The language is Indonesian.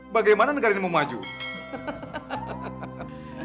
bagaimana negara ini memajukan